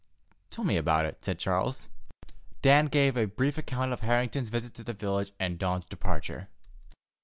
"Tell me about it," said Charles. Dan gave a brief account of Harrington's visit to the village and Dawn's departure.